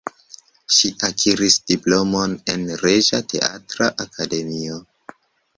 Ŝi akiris diplomon en Reĝa Teatra Akademio.